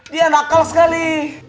dia nakal sekali